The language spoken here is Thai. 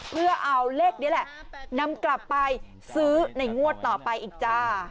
เพื่อเอาเลขนี้แหละนำกลับไปซื้อในงวดต่อไปอีกจ้า